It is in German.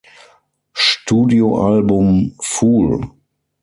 Studioalbum "Fool".